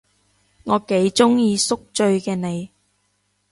我幾鍾意宿醉嘅你